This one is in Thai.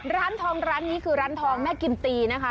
ร้านทองร้านนี้คือร้านทองแม่กิมตีนะคะ